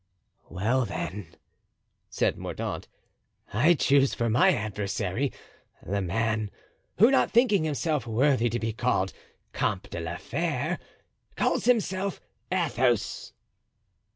"Well, then," said Mordaunt, "I choose for my adversary the man who, not thinking himself worthy to be called Comte de la Fere, calls himself Athos."